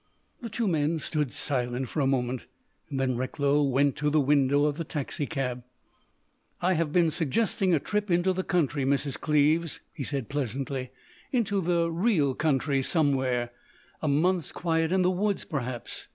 The two men stood silent for a moment, then Recklow went to the window of the taxicab. "I have been suggesting a trip into the country, Mrs. Cleves," he said pleasantly, "—into the real country, somewhere,—a month's quiet in the woods, perhaps.